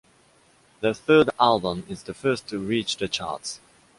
The third album is the first to reach the charts.